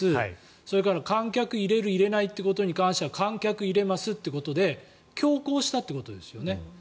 それから観客を入れる入れないということに関しては観客を入れますということで強行したということですよね。